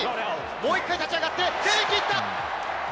もう１回立ち上がって、レメキいった。